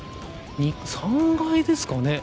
３階ですかね。